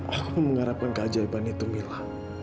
aku mengharapkan keajaiban itu mila